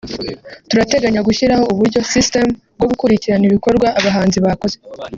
turateganya gushyiraho uburyo ’system’ bwo gukurikirana ibikorwa abahanzi bakoze